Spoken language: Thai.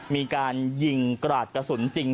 มีการยิงกราดกระสุนจริง